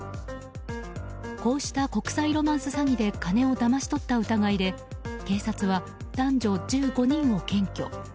こうした国際ロマンス詐欺で金をだまし取った疑いで警察は男女１５人を検挙。